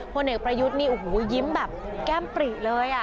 พ่อเนกประยุทธ์นี่ยิ้มแบบแก้มปลีเลย